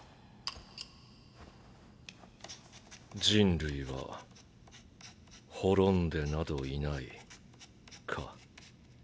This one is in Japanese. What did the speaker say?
「人類は滅んでなどいない」か。